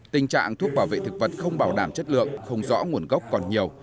tình trạng thuốc bảo vệ thực vật không bảo đảm chất lượng không rõ nguồn gốc còn nhiều